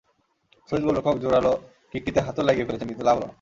Swiss গোলরক্ষক জোরালো কিকটিতে হাতও লাগিয়ে ফেলেছিলেন, কিন্তু লাভ হলো না।